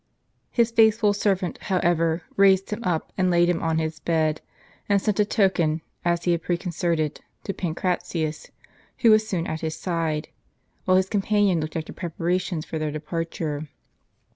His faithful servant, however, raised him up, and laid him on his bed, and sent a token, as he had preconcerted, to Pancratius, who was soon at his side, while his companion looked after preparations for their departure.